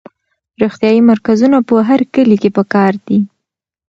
روغتیایي مرکزونه په هر کلي کې پکار دي.